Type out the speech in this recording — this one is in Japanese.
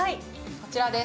こちらです。